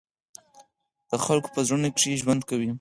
د خلقو پۀ زړونو کښې ژوند کوي،